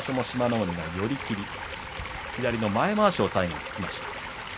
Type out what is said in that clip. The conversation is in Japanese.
海が寄り切り左の前まわしを最後引きました。